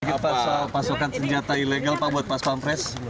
apa soal pasokan senjata ilegal pak buat pas pampres